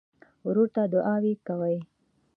ورور ته دعاوې کوې.